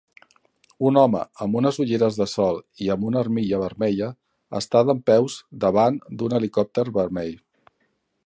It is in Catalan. Un home amb unes ulleres de sol i amb una armilla vermella està dempeus davant d'un helicòpter vermell.